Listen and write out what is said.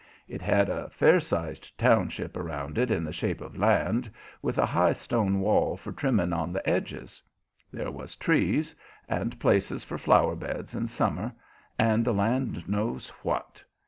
It had a fair sized township around it in the shape of land, with a high stone wall for trimming on the edges. There was trees, and places for flower beds in summer, and the land knows what.